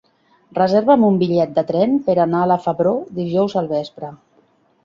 Reserva'm un bitllet de tren per anar a la Febró dijous al vespre.